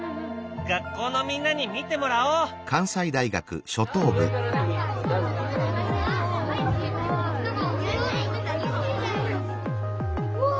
学校のみんなに見てもらおう！わあ！